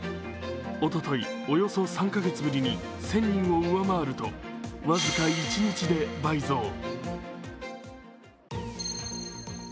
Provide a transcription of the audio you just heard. おととい、およそ３カ月ぶりに１０００人を上回ると僅か１日で倍増。